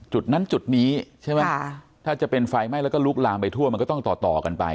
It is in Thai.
จุดนั้นจุดนี้ใช่ไหมถ้าจะเป็นไฟไหม้แล้วก็ลุกลามไปทั่วมันก็ต้องต่อต่อกันไป